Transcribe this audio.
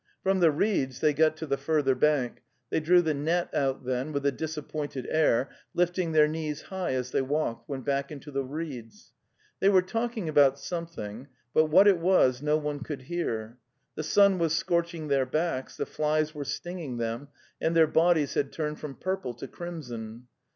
From the reeds they got to the further bank; they drew the net out, then, with a disappointed air, lifting their knees high as they walked, went back into the reeds. They were talking about something, but what it was no one could hear. 'The sun was scorching their backs, the flies were stinging them, and their bodies had turned from purple to crimson.